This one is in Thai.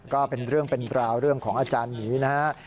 ก็เป็นเรื่องเป็นราวเรื่องของอาจารย์หมีนะฮะ